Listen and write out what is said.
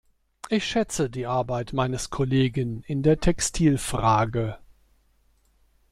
Ich schätze die Arbeit meines Kollegen in der Textilfrage.